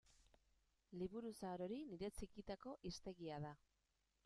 Liburu zahar hori nire txikitako hiztegia da.